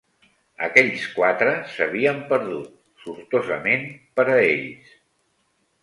Aquells quatre s'havien perdut, sortosament per a ells